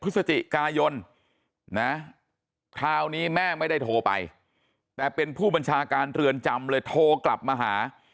พฤศจิกายนนะคราวนี้แม่ไม่ได้โทรไปแต่เป็นผู้บัญชาการเรือนจำเลยโทรกลับมาหา